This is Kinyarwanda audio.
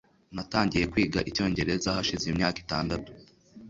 Natangiye kwiga icyongereza hashize imyaka itandatu